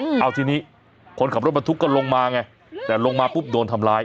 เอาทีนี้คนขับรถบรรทุกก็ลงมาไงแต่ลงมาปุ๊บโดนทำร้าย